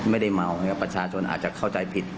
ไม่ได้เมานะครับประชาชนอาจจะเข้าใจผิด